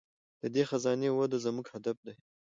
د دې خزانې وده زموږ هدف دی.